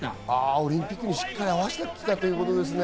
オリンピックにしっかり合わせてきたんですね。